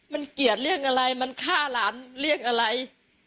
มันเกลียดเรื่องอะไรมันฆ่าหลานเรียกอะไร